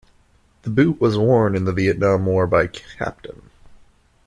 The boot was worn in the Vietnam War by Cpt.